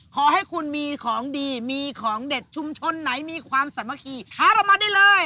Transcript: ขอให้คุณมีของดีมีของเด็ดชุมชนไหนมีความสามัคคีท้าเรามาได้เลย